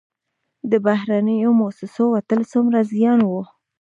د بهرنیو موسسو وتل څومره زیان و؟